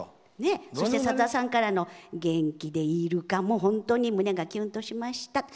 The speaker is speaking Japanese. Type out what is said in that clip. さださんからの元気でいるか？も本当に胸がきゅんとしました。